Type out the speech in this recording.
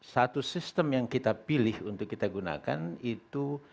satu sistem yang kita pilih untuk kita gunakan itu